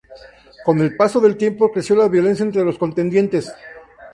Con el paso del tiempo creció la violencia entre los contendientes.